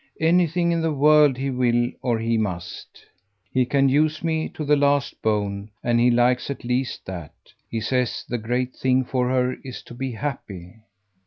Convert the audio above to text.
Anything in the world he will or he must. He can use me to the last bone, and he likes at least that. He says the great thing for her is to be happy."